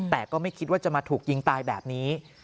แต่ก็ไม่คิดว่าจะมาถูกยิงตายแบบนี้